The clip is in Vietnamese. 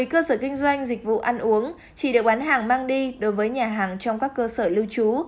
một mươi cơ sở kinh doanh dịch vụ ăn uống chỉ được bán hàng mang đi đối với nhà hàng trong các cơ sở lưu trú